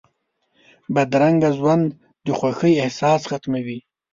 بدرنګه ژوند د خوښۍ احساس ختموي